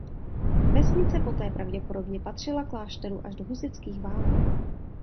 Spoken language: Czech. Vesnice poté pravděpodobně patřila klášteru až do husitských válek.